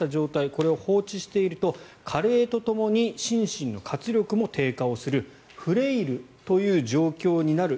これを放置していると加齢とともに心身の活力も低下するフレイルという状況になる